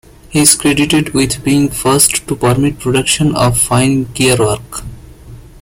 He is credited with being first to permit production of fine gear work.